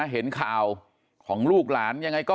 เห็นข่าวของลูกหลานยังไงก็